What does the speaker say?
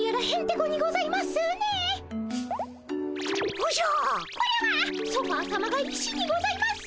これはソファーさまが石にございます。